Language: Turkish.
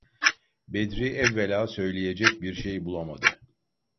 Bedri evvela söyleyecek bir şey bulamadı.